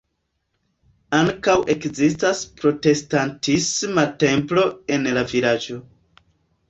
Ankaŭ ekzistas protestantisma templo en la vilaĝo.